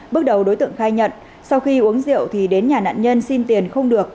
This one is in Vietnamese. bước đầu đối tượng khai nhận sau khi uống rượu thì đến nhà nạn nhân xin tiền không được